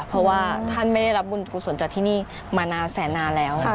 เพราะว่าท่านไม่ได้รับบุญกุศลจากที่นี่มานานแสนนานแล้ว